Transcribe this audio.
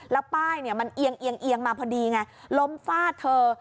แล้วป้ายมันเอียงเอียงมาพอดีไงล้มฟาดเธอ